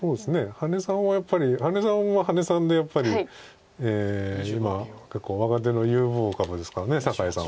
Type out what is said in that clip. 羽根さんはやっぱり羽根さんは羽根さんでやっぱり今結構若手の有望株ですから酒井さんは。